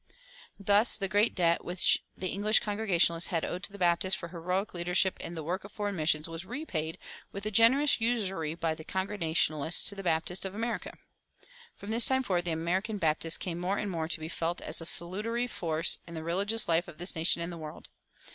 Thus the great debt which the English Congregationalists had owed to the Baptists for heroic leadership in the work of foreign missions was repaid with generous usury by the Congregationalists to the Baptists of America. From this time forward the American Baptists came more and more to be felt as a salutary force in the religious life of the nation and the world.